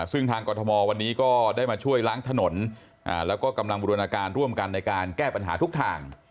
ซึ่งทางกรทมวันนี้ก็ได้มาช่วยล้างถนนแล้วก็กำลังบูรณาการร่วมกันในการแก้ปัญหาทุกทาง